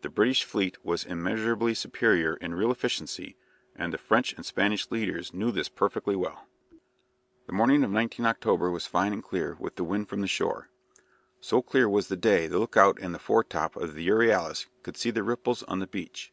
The British fleet was immeasurably superior in real efficiency, and the French and Spanish leaders knew this perfectly well. The morning of 19 October was fine and clear with the wind from the shore. So clear was the day that the lookout in the foretop of the "Euryalus" could see the ripples on the beach.